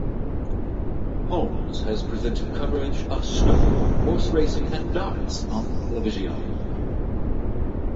Holmes has presented coverage of snooker, horse racing and darts on television.